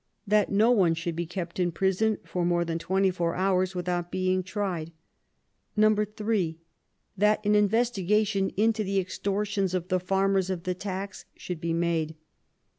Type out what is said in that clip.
That no one should be kept in prison for more than twenty four hours without being tried. 3. That an investigation into the extortions of the farmers of the taxes should be made.